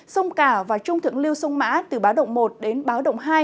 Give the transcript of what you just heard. sông cả và trung thượng lưu sông mã từ báo động một đến báo động hai